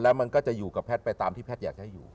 แล้วมันก็จะอยู่กับแพทย์ไปตามที่แพทย์อยากจะให้อยู่